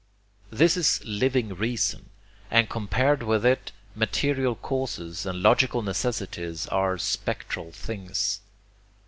This is living reason, and compared with it material causes and logical necessities are spectral things.